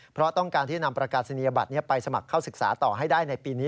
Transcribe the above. เพราะต้องการที่นำประกาศนียบัตรไปสมัครเข้าศึกษาต่อให้ได้ในปีนี้